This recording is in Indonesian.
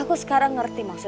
aku sekarang ngerti maksud kamu